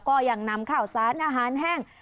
ก็ยังนำข้าวสารอาหารแห้ง